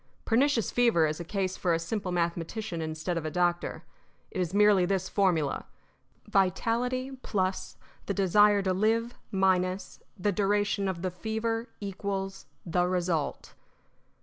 Pernicious fever is a case for a simple mathematician instead of a doctor. It is merely this formula: Vitality + the desire to live the duration of the fever = the result.